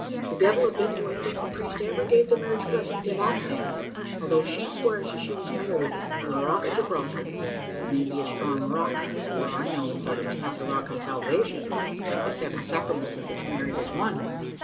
The devil a bit do I think the priest ever gave the marriage blessing to that same; although she swears that she was married on the rock of Gibraltar it may be a strong rock fore I know, but it's not the rock of salvation like the seven sacraments, of which marriage is one.